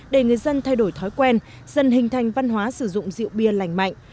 để người dân thay đổi thói quen dần hình thành văn hóa sử dụng rượu bia lành mạnh